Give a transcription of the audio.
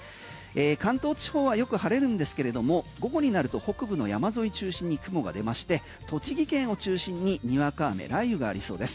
関東地方はよく晴れるんですけれども午後になると北部の山沿い中心に雲が出まして、栃木県を中心ににわか雨、雷雨がありそうです。